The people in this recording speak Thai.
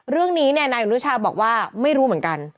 เรื่องนี้นายอนุชาบอกว่าไม่รู้เหมือนกัน